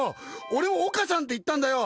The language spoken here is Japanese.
俺も「岡さん」って言ったんだよ！